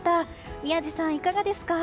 宮司さん、いかがですか？